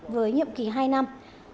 với nhiệm kỳ hai năm